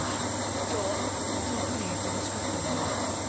今日は特に忙しかったな。